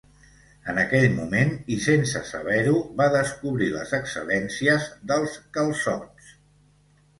En aquell moment, i sense saber-ho, va descobrir les excel·lències dels calçots.